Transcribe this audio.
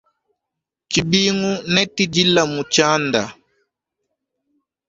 Tshibingu ne tshdila mu tshianda.